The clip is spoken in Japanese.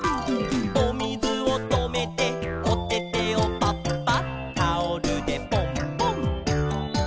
「おみずをとめておててをパッパッ」「タオルでポンポン」